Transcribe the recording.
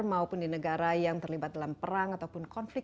maupun di negara yang terlibat dalam perang ataupun konflik